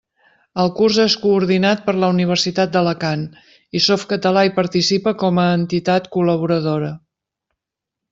El curs és coordinat per la Universitat d'Alacant, i Softcatalà hi participa com a entitat col·laboradora.